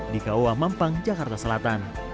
di kaua mampang jakarta